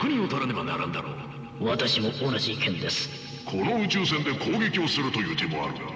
この宇宙船で攻撃をするという手もあるが。